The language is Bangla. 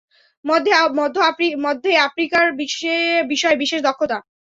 মধ্যে আফ্রিকার বিষয়ে বিশেষ দক্ষতা।